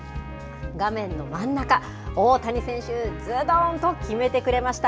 画面の真ん中、大谷選手、ずどんと決めてくれました。